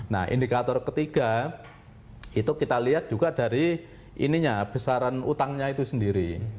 nah indikator ketiga itu kita lihat juga dari ininya besaran utangnya itu sendiri